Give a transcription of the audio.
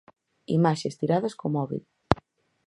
Imaxes tiradas co móbil.